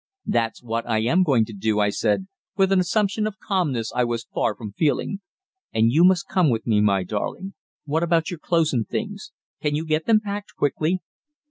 "That's what I am going to do," I said, with an assumption of calmness I was far from feeling. "And you must come with me, my darling. What about your clothes and things? Can you get them packed quickly?"